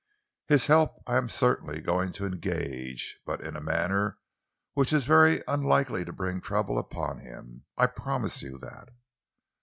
"His help I am certainly going to engage, but in a manner which is very unlikely to bring trouble upon him. I promise you that."